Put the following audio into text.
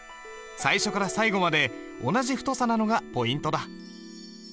最初から最後まで同じ太さなのがポイントだ。